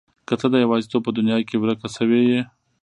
که ته د يوازيتوب په دنيا کې ورکه شوې يې.